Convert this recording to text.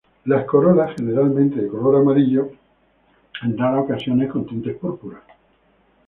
Las corolas generalmente de color amarillo, en raras ocasiones con tintes púrpuras.